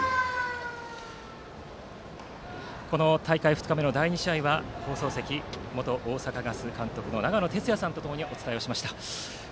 この大会２日目の第２試合は放送席、元大阪ガス監督の長野哲也さんとともにお伝えをしました。